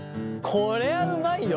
これはうまいよ